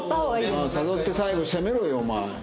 誘って最後攻めろよお前。